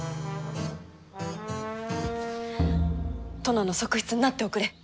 殿の側室になっておくれ。